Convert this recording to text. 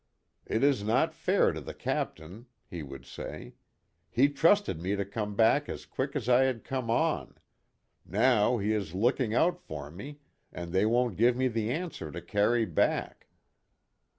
" It is not fair to the captain," he would say ; "he trusted me to come back as quick as I had come on. Now, he is looking out for me and they won't give me the answer to carry back."